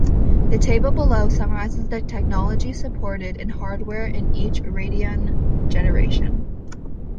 The table below summarizes the technologies supported in hardware in each Radeon generation.